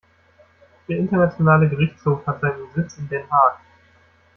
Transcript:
Der internationale Gerichtshof hat seinen Sitz in Den Haag.